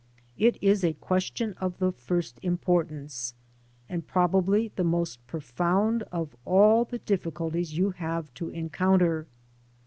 It is a question of the first importance, and probably the most profound of all the difficulties you have to encounter.